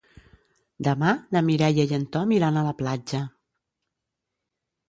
Demà na Mireia i en Tom iran a la platja.